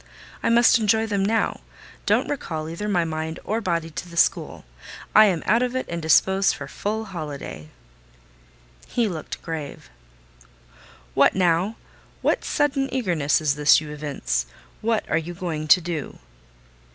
I must enjoy them now; don't recall either my mind or body to the school; I am out of it and disposed for full holiday." He looked grave. "What now? What sudden eagerness is this you evince? What are you going to do?"